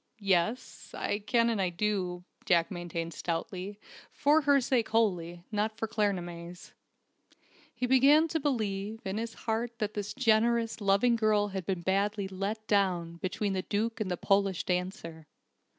"Yes. I can and do," Jack maintained stoutly, for her sake wholly, not for Claremanagh's. He began to believe, in his heart, that this generous, loving girl had been badly "let down," between the Duke and the Polish dancer.